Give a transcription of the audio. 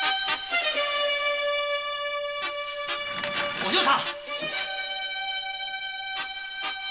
・お嬢さん！